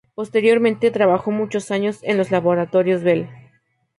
Posteriormente trabajó muchos años en los Laboratorios Bell.